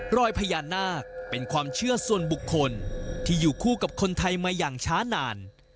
รอยพญานาคเป็นความเชื่อส่วนบุคคลที่อยู่คู่กับคนไทยมาอย่างช้านาน